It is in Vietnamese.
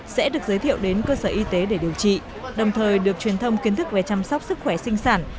sẽ được giới thiệu đến cơ sở y tế để điều trị đồng thời được truyền thông kiến thức về chăm sóc sức khỏe sinh sản